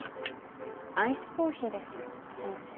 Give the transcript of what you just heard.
アイスコーヒーですよ先生。